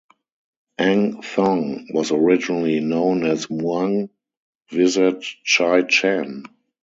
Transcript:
Ang Thong was originally known as Muang Wiset Chai Chan.